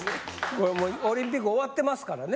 これもうオリンピック終わってますからね。